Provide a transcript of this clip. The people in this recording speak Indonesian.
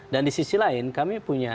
dan di sisi lain kami punya